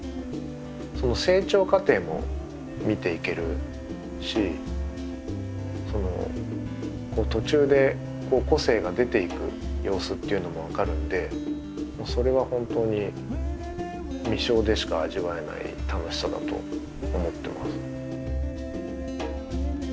その成長過程も見ていけるし途中で個性が出ていく様子っていうのも分かるんでそれは本当に実生でしか味わえない楽しさだと思ってます。